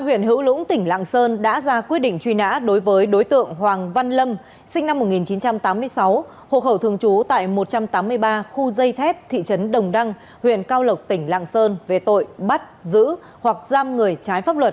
huyện hữu lũng tỉnh lạng sơn đã ra quyết định truy nã đối với đối tượng hoàng văn lâm sinh năm một nghìn chín trăm tám mươi sáu hộ khẩu thường trú tại một trăm tám mươi ba khu dây thép thị trấn đồng đăng huyện cao lộc tỉnh lạng sơn về tội bắt giữ hoặc giam người trái pháp luật